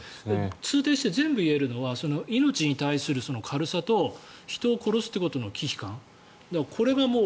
通底して全部言えるのは命に対する軽さと人を殺すということの忌避感。